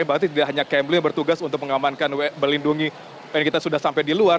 berarti tidak hanya kemli yang bertugas untuk mengamankan melindungi dan kita sudah sampai di luar